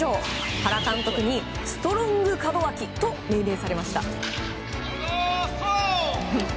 原監督にストロング門脇と命名されました。